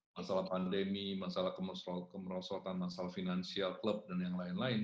masalah pandemi masalah kemerosotan masalah finansial klub dan yang lain lain